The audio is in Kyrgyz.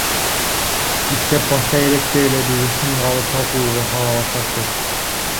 Иштеп баштай электе эле бизди сынга алып, талкууга сала башташты.